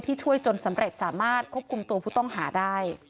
ช่วยจนสำเร็จสามารถควบคุมตัวผู้ต้องหาได้